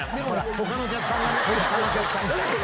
他のお客さんも。